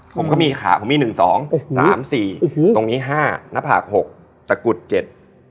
ผมก็มีขาผมมีหนึ่งสองสามสี่อืมตรงนี้ห้าหน้าผากหกตะกุดเจ็ด